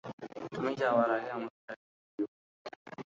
তুমি যাওয়ার আগে আমাকে জাগিয়ে দিও।